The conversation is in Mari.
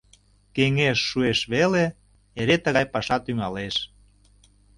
Кеҥеж шуэш веле — эре тыгай паша тӱҥалеш.